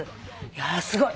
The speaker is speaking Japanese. いやすごい。